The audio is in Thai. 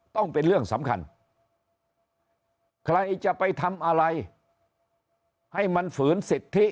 ต้องเป็นเรื่องสำคัญใครจะไปทำอะไรให้มันฝืนสิทธิ